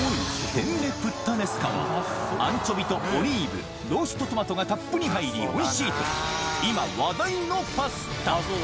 ペンネプッタネスカは、アンチョビとオリーブ、ローストトマトがたっぷり入っておいしいと、今話題のパスタ。